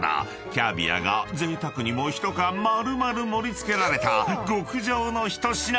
［キャビアがぜいたくにも１缶丸々盛り付けられた極上の一品］